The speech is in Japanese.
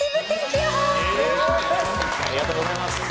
ありがとうございます。